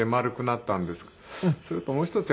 それともう一つ